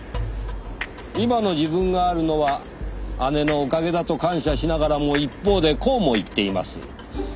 今の自分があるのは姉のおかげだと感謝しながらも一方でこうも言っています。